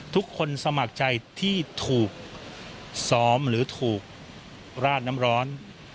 ทุกคนสมัครใจที่ถูกซ้อมหรือถูกราดน้ำร้อน